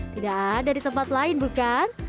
tidak ada di tempat lain bukan